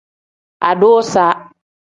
Adusa.